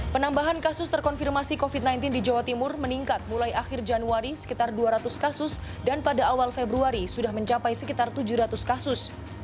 penambahan kasus terkonfirmasi covid sembilan belas di jawa timur meningkat mulai akhir januari sekitar dua ratus kasus dan pada awal februari sudah mencapai sekitar tujuh ratus kasus